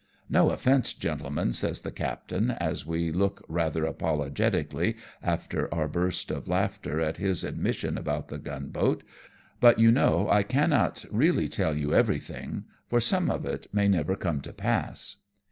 "No offence, gentlemen," says the captain, as we look rather apologetically after our burst of laughter at his admission about the gunboat ;" but you know I cannot really tell you everything, for some of it may never come to pass."